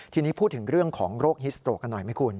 ทีนี้พูดถึงเรื่องของโรคฮิสโตรกกันหน่อยไหมคุณ